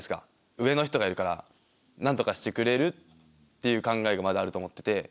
上の人がいるからなんとかしてくれるっていう考えがまだあると思ってて。